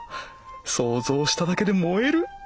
想像しただけでもえる！